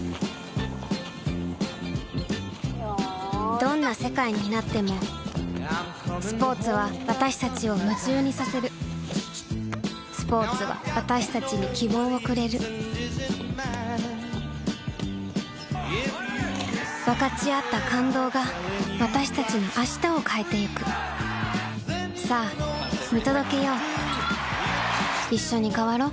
どんな世界になってもスポーツは私たちを夢中にさせるスポーツは私たちに希望をくれる分かち合った感動が私たちの明日を変えてゆくさあ見届けよういっしょに変わろう。